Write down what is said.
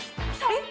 えっ？